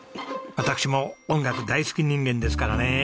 私も音楽大好き人間ですからね。